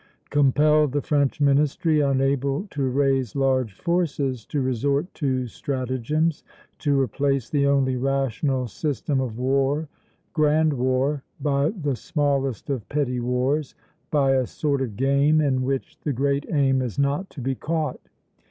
compelled the French ministry, unable to raise large forces, to resort to stratagems, to replace the only rational system of war, Grand War, by the smallest of petty wars, by a sort of game in which the great aim is not to be caught.